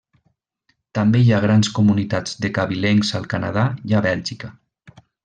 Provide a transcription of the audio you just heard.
També hi ha grans comunitats de cabilencs al Canadà i a Bèlgica.